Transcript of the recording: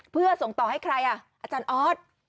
เพื่อส่งต่อให้ใครอ่ะอาจารย์ออส